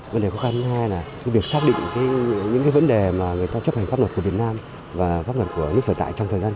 vấn đề khó khăn thứ hai là việc xác định những vấn đề mà người ta chấp hành pháp luật của việt nam và pháp luật của nước sở tại trong thời gian